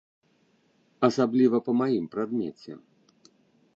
Асабліва па маім прадмеце.